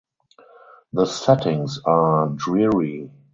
The settings are dreary.